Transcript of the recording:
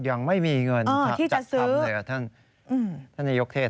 ยังไม่มีเงินจัดสรรค์เหลือท่านนายกเทศ